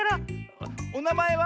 「おなまえは？」。